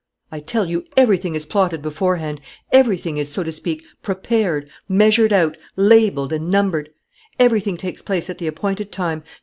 "I tell you, everything is plotted beforehand, everything is, so to speak, prepared, measured out, labelled, and numbered. Everything takes place at the appointed time.